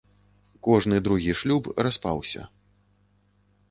Кожны другі шлюб распаўся.